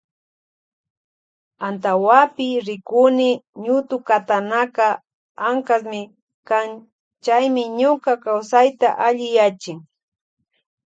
Antawapi rikuni ñutukatanaka ankasmi kan chaymi ñuka kawsayta alliyachin.